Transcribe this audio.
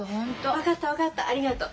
分かった分かったありがとう。